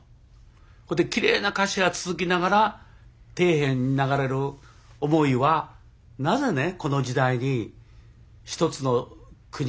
それできれいな歌詞が続きながら底辺に流れる思いはなぜねこの時代に１つの国がね２つにわかれてるんだって